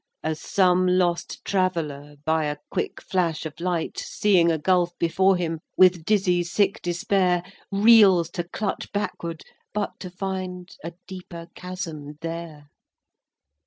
As some lost traveller By a quick flash of light Seeing a gulf before him, With dizzy, sick despair, Reels to clutch backward, but to find A deeper chasm there.